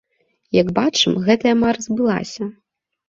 Як бачым, гэтая мара збылася.